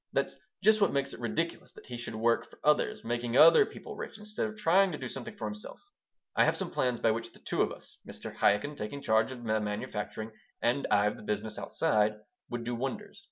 "That's just what makes it ridiculous that he should work for others, make other people rich instead of trying to do something for himself. I have some plans by which the two of us Mr. Chaikin taking charge of the manufacturing and I of the business outside would do wonders.